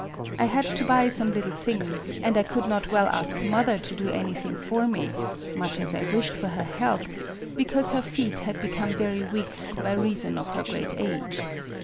I had to buy some little things ; and I could not well ask mother to do anything for me, — much as I wished for her help, — because her feet had be come very weak by reason of her great age.